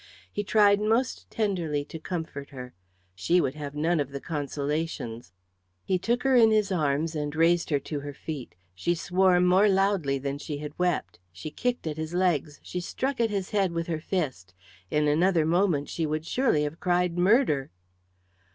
He tried most tenderly to comfort her. She would have none of the consolations. He took her in his arms and raised her to her feet. She swore more loudly than she had wept, she kicked at his legs, she struck at his head with her fist. In another moment she would surely have cried murder.